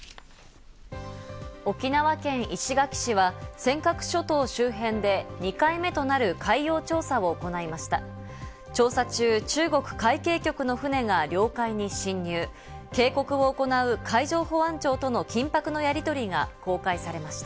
沖縄県石垣市は尖閣諸島周辺で２回目となる海洋調査を行いました。